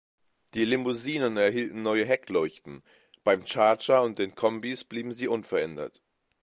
Die Limousinen erhielten neue Heckleuchten; beim Charger und den Kombis blieben sie unverändert.